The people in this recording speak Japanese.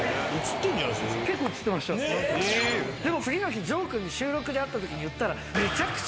でも次の日丈君に収録で会ったときに言ったら。